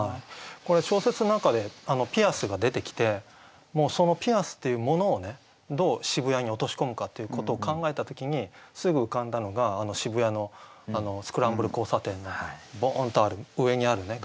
これ小説の中でピアスが出てきてそのピアスっていうものをどう渋谷に落とし込むかっていうことを考えた時にすぐ浮かんだのが渋谷のスクランブル交差点のボーンとある上にあるね街頭ビジョン。